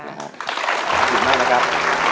ขอบคุณมากนะครับ